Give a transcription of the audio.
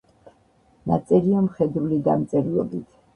ნაწერია მხედრული დამწერლობით.